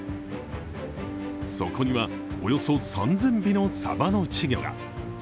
そこには、およそ３０００尾のさばの稚魚が。